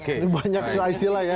ini banyak keaisi lah ya